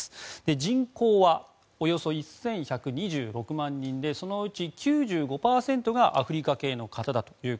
人口はおよそ１１２６万人でそのうち９５％がアフリカ系の方だと。